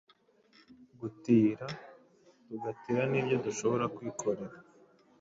Gutira tugatira n’ibyo dushobora kwikorera